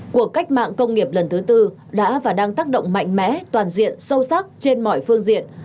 cuộc cách mạng công nghiệp lần thứ tư đã và đang tác động mạnh mẽ toàn diện sâu sắc trên mọi phương diện